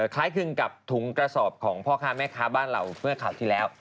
คล้ายคลึงกับถุงกระสอบของพ่อค้าแม่ค้าบ้านเราเมื่อข่าวที่แล้ว